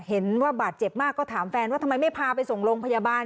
เห็นว่าบาดเจ็บมากก็ถามแฟนว่าทำไมไม่พาไปส่งโรงพยาบาล